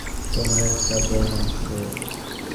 তোমার একটা বোন আছে।